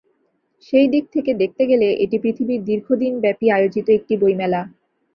সেই দিক থেকে দেখতে গেলে এটি পৃথিবীর দীর্ঘদিনব্যাপী আয়োজিত একটি বইমেলা।